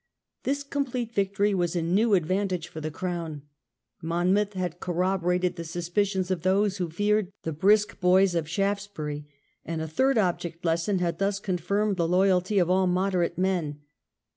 This complete victory was a new advantage for the crown. Monmouth had corroborated the suspicions of those who had feared the " brisk boys " of Shaftesbury, and a third object lesson had thus confirmed the loyalty of all moderate men.